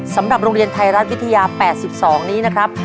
สำหรับโรงเรียนไทยรัฐวิทยา๘๒นี้นะครับ